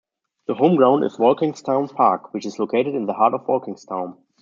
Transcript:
The home ground is Walkinstown Park, which is located in the heart of Walkinstown.